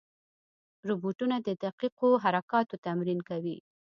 روبوټونه د دقیقو حرکاتو تمرین کوي.